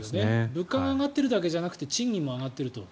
物価が上がってるだけじゃなくて賃金も上がっていると。